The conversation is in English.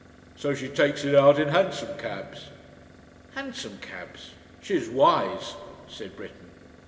"So she takes it out in hansom cabs." "Hansom cabs." "She's wise," said Britten....